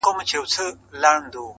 ارزښتونه همدا درېيم ارزښتونه دي